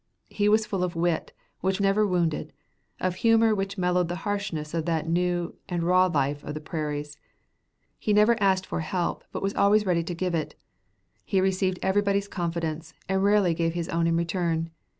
He was full of wit which never wounded, of humor which mellowed the harshness of that new and raw life of the prairies. He never asked for help, but was always ready to give it. He received everybody's confidence, and rarely gave his own in return.